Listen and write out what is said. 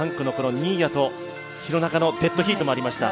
新谷と廣中とのデッドヒートもありました。